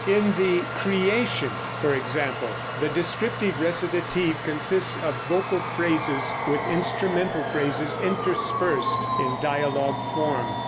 In the "Creation," for example, the descriptive recitative consists of vocal phrases with instrumental phrases interspersed, in dialogue form.